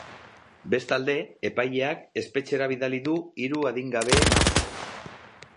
Bestalde, epaileak espetxera bidali du hiru adingabeen ama.